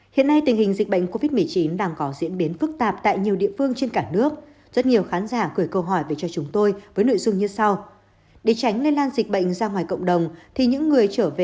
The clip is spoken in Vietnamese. hãy đăng ký kênh để ủng hộ kênh của chúng mình nhé